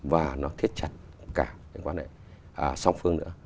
và nó thiết chặt cả những quan hệ song phương nữa